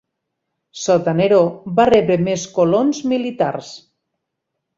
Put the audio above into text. Sota Neró va rebre més colons militars.